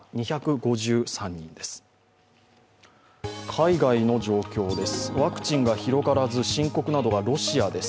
海外の状況です。